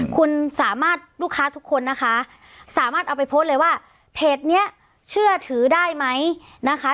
คุณสามารถลูกค้าทุกคนนะคะสามารถเอาไปโพสต์เลยว่าเพจนี้เชื่อถือได้ไหมนะคะ